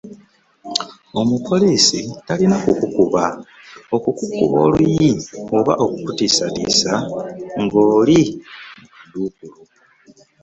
Omupoliisi talina kukukuba, okukuba oluyi oba okukutiisatiisa nga oli mu kaduukulu.